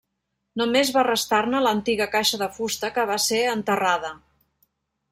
Només va restar-ne l'antiga caixa de fusta, que va ser enterrada.